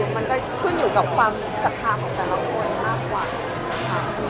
มันจะขึ้นอยู่กับความศรัทธาของแต่ละคนมากกว่าค่ะ